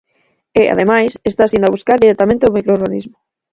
E, ademais, estás indo a buscar directamente o microorganismo.